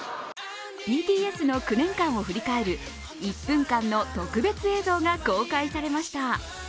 ＢＴＳの９年間を振り返る１分間の特別映像が公開されました。